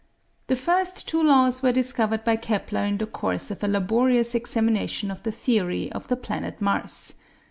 The first two laws were discovered by Kepler in the course of a laborious examination of the theory of the planet Mars.